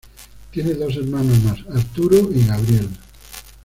Tiene dos hermanos más: Arturo y Gabriel.